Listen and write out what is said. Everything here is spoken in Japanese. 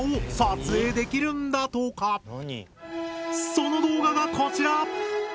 その動画がこちら！